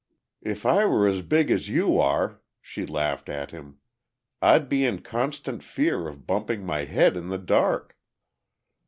"If I were as big as you are," she laughed at him, "I'd be in constant fear of bumping my head in the dark."